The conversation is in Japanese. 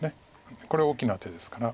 これは大きな手ですから。